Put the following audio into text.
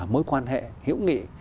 mối quan hệ hiểu nghị